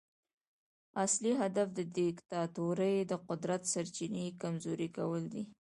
اصلي هدف د دیکتاتورۍ د قدرت سرچینې کمزوري کول دي.